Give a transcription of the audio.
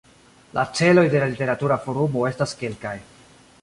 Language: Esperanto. La celoj de la Literatura Forumo estas kelkaj.